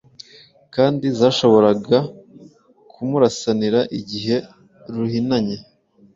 kandi zashoboraga kumurasanira igihe ruhinanye.